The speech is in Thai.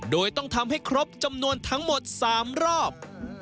โดยต้องทำให้ครบจำนวนทั้งหมด๓รอบ